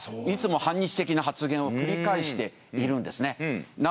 いつも反日的な発言を繰り返しているんですね。